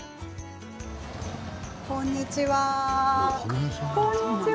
こんにちは。